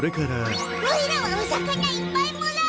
おいらはお魚いっぱいもらう！